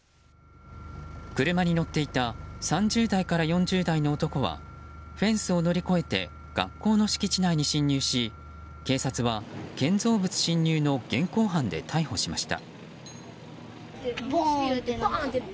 車に乗っていた３０代から４０代の男はフェンスを乗り越えて学校の敷地内に侵入し警察は、建造物侵入の現行犯で逮捕しました。